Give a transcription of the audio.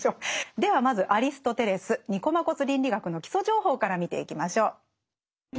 ではまずアリストテレス「ニコマコス倫理学」の基礎情報から見ていきましょう。